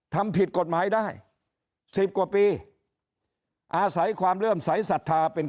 ทำผิดกฎหมายได้สิบกว่าปีอาศัยความเริ่มใสศรัทธาเป็น